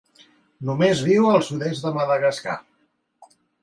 Només viu al sud-est de Madagascar.